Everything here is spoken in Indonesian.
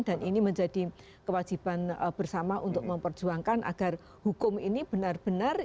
dan ini menjadi kewajiban bersama untuk memperjuangkan agar hukum ini benar benar